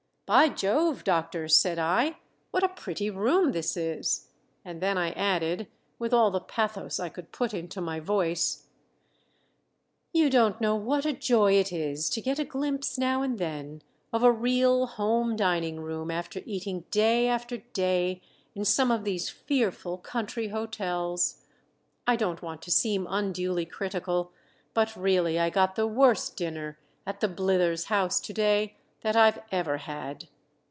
"By Jove, Doctor!" said I, "what a pretty room this is!" And then I added, with all the pathos I could put into my voice, "You don't know what a joy it is to get a glimpse now and then of a real home dining room after eating day after day in some of these fearful country hotels. I don't want to seem unduly critical, but really I got the worst dinner at the Blithers House to day that I've ever had."